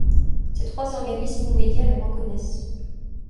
Ces trois organismes ou médias le reconnaissent '.